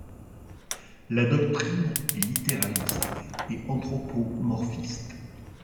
La doctrine est littéraliste et anthropomorphiste.